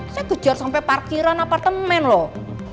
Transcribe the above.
saya kejar sampai parkiran apartemen loh